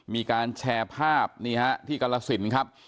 มีการแชร์ภาพนี่ฮะที่กรสินครับ